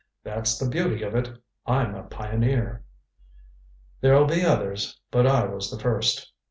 That's the beauty of it I'm a pioneer. There'll be others, but I was the first.